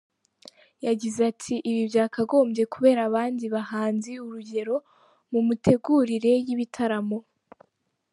Yagize ati :’’Ibi byakagombye kubera abandi bahanzi urugero mu mitegurire y’ibitaramo’’.